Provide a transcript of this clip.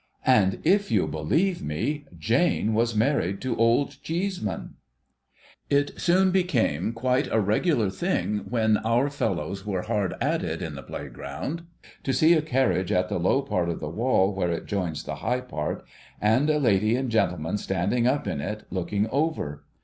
And if you'll believe me, Jane was married to Old Cheeseman, It soon became quite a regular thing when our fellows were hard at it in the playground, to see a carriage at the low part of the wall where it joins the high part, and a lady and gentleman standing up in it, looking over.